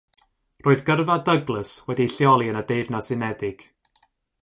Roedd gyrfa Douglas wedi'i lleoli yn y Deyrnas Unedig.